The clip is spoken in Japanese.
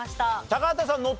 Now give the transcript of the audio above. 高畑さんノ